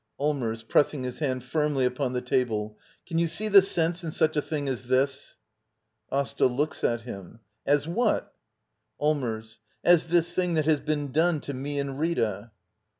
Allmbrs. [Pressing his hand firmly upon the table.] Can you see the sense in such a diing as this? Asta. [Looks at him.] As what? Allmbrs. As this thing that has been done to me and Rita.